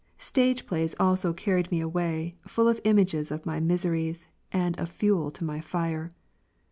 Stage plays also carried me away, full of images of my miseries, and of fuel to my fire.